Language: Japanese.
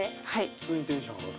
普通にテンション上がる。